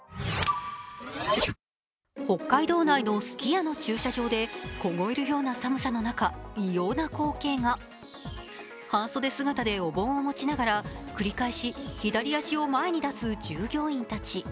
北海道内のすき家の駐車場で凍えるような寒さの中、異様な光景が半袖姿でお盆を持ちながら繰り返し左足を前に出す従業員たち。